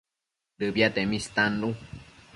Dëbiatemi istannu